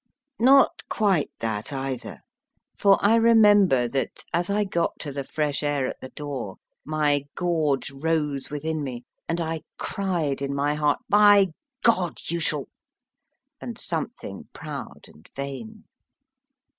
Not quite that, either, for I remember that, as I got to the fresh air at the door, my gorge rose within me, and I cried in my heart, By God ! you shall and something proud and vain.